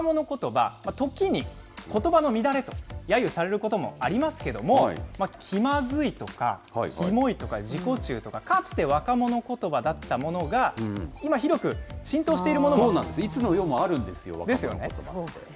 若者ことば、時にことばの乱れとやゆされることもありますけども、気まずいとか、きもいとか、自己中とか、かつて若者ことばだったものが、今、いつの世もあるんですよ、若ですよね。